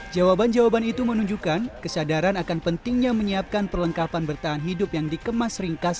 jawaban jawaban itu menunjukkan kesadaran akan pentingnya menyiapkan perlengkapan bertahan hidup yang dikemas ringkas